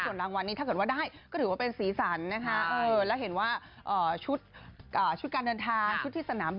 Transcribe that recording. ส่วนรางวัลนี้ถ้าเกิดว่าได้ก็ถือว่าเป็นสีสันนะคะ